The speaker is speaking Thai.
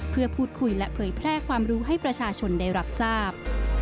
เพื่อพูดคุยและเผยแพร่ความรู้ให้ประชาชนได้รับทราบ